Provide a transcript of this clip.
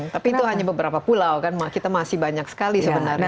tapi itu hanya beberapa pulau kan kita masih banyak sekali sebenarnya